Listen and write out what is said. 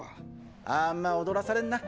あーんま踊らされんな。